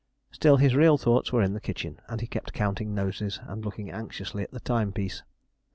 Still his real thoughts were in the kitchen, and he kept counting noses and looking anxiously at the timepiece.